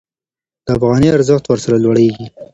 د افغانۍ ارزښت ورسره لوړېږي.